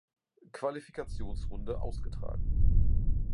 Qualifikationsrunde ausgetragen.